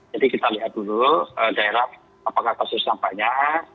jadi kita lihat dulu daerah apakah kasusnya banyak